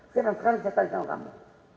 sekarang saya tanya sama kamu